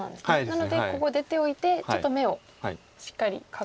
なのでここを出ておいてちょっと眼をしっかり確保しようと。